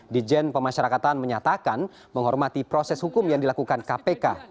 dijen pemasyarakatan menyatakan menghormati proses hukum yang dilakukan kpk